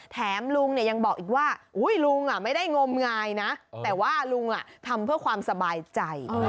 แถมลุงเนี่ยยังบอกอีกว่าลุงไม่ได้งมงายนะแต่ว่าลุงทำเพื่อความสบายใจ